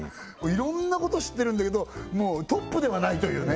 いろんなこと知ってるんだけどトップではないというね